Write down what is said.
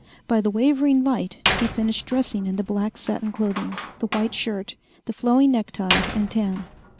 By the wavering light, he finished dressing in the black satin clothing, the white shirt, the flowing necktie and tam.